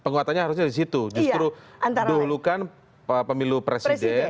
penguatannya harusnya di situ justru mendahulukan pemilu presiden